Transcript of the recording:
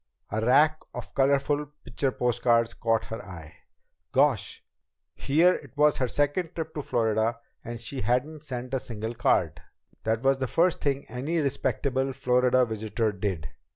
A rack of colorful picture post cards caught her eye. Gosh! Here it was her second trip to Florida and she hadn't sent a single card! That was the first thing any respectable Florida visitor did!